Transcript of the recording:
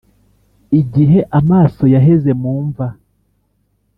igihe amaso yaheze mu mva